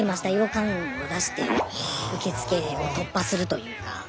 感を出して受付を突破するというか。